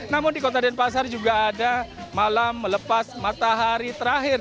namun di kota denpasar juga ada malam melepas matahari terakhir